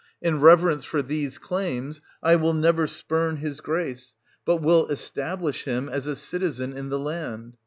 In reverence for these claims, I will never spurn his grace, but will esta blish him as a citizen in the land.